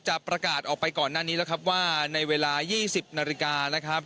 จะประกาศออกไปก่อนหน้านี้แล้วครับว่าในเวลา๒๐นาฬิกานะครับ